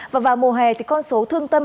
và vào mùa hè thì con số thương tâm